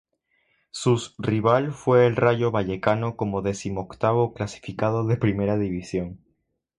Sus rival fue el Rayo Vallecano como decimoctavo clasificado de Primera División.